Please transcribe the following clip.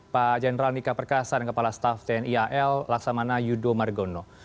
pak jenderal nika perkasa dan kepala staf tni al laksamana yudo margono